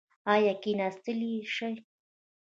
ایا کیناستلی شئ؟